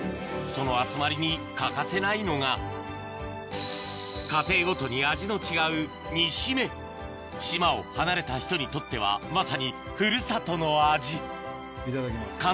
その集まりに欠かせないのが家庭ごとに味の違う島を離れた人にとってはまさに古里の味いただきます。